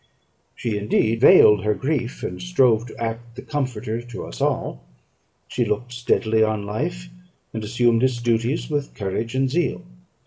She indeed veiled her grief, and strove to act the comforter to us all. She looked steadily on life, and assumed its duties with courage and zeal.